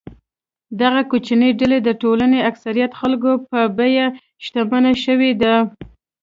دغه کوچنۍ ډله د ټولنې اکثریت خلکو په بیه شتمنه شوې ده.